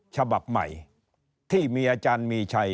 ฉบับใหม่ที่มีอาจารย์มีชัย